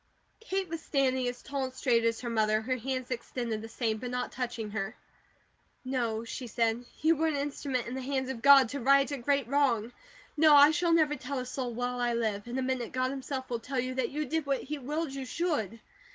Kate was standing as tall and straight as her mother, her hands extended the same, but not touching her. "No," she said. "You were an instrument in the hands of God to right a great wrong. No! I shall never tell a soul while I live. In a minute God himself will tell you that you did what He willed you should."